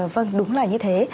vâng đúng là như thế